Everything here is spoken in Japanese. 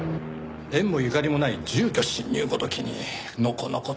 縁もゆかりもない住居侵入ごときにのこのこと。